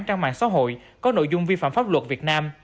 trang mạng xã hội có nội dung vi phạm pháp luật việt nam